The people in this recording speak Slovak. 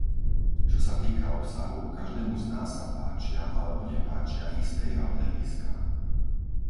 Čo sa týka obsahu, každému z nás sa páčia alebo nepáčia isté jeho hľadiská.